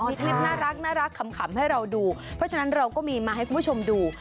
มีคลิปน่ารักขำให้เราดูเพราะฉะนั้นเราก็มีมาให้คุณผู้ชมดู